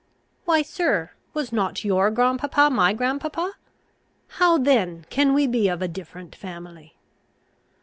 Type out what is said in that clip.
"Why, sir, was not your grandpapa my grandpapa? How then can we be of a different family?"